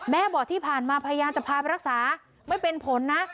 บอกที่ผ่านมาพยายามจะพาไปรักษาไม่เป็นผลนะ